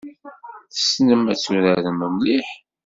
Tessnem ad turarem mliḥ?